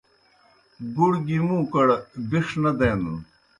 گُڑ گیْ مُوں کڑ بِݜ نہ دینَن